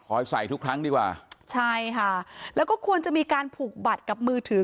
ใส่ทุกครั้งดีกว่าใช่ค่ะแล้วก็ควรจะมีการผูกบัตรกับมือถือ